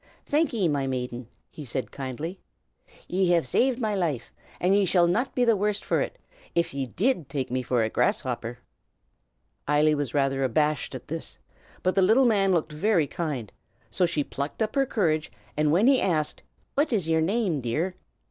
"Thank ye, my maiden!" he said kindly. "Ye have saved my life, and ye shall not be the worse for it, if ye did take me for a grasshopper." Eily was rather abashed at this, but the little man looked very kind; so she plucked up her courage, and when he asked, "What is yer name, my dear?"